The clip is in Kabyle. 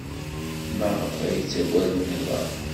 Maɣef ay ttaggaden iḍan?